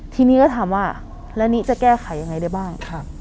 ทีนี้ก็ถามว่าแล้วนี้จะแก้ไขยังไงได้บ้าง